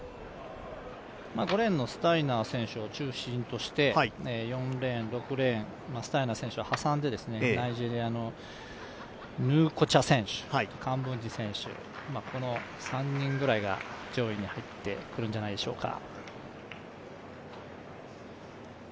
５レーンのスタイナー選手を中心にして４レーン、６レーン、スタイナー選手を挟んで、ナイジェリアのヌウォコチャ選手カンブンジ選手、この３人くらいが上位に入ってくるんじゃないでしょうか。